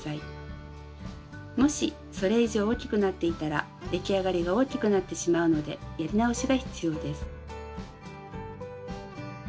もしそれ以上大きくなっていたら出来上がりが大きくなってしまうのでやり直しが必要です。